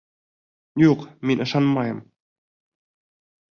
Юҡ, мин ышанмайым!